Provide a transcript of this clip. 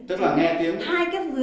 tức là nghe tiếng